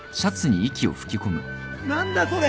何だそれ。